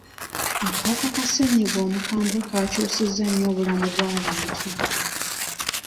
Akawuka ka ssenyiga omukambwe kakyusizza nnyo obulamu bw'abantu.